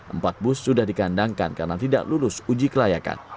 empat bus sudah dikandangkan karena tidak lulus uji kelayakan